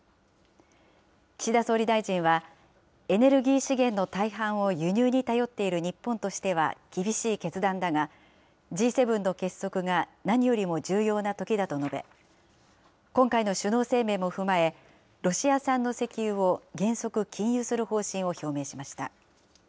岸田総理大臣は、エネルギー資源の大半を輸入に頼っている日本としては厳しい決断だが、Ｇ７の結束が何よりも重要な時だと述べ、今回の首脳声明も踏まえ、ロシア産の石油を原則禁輸する方針を表明しました。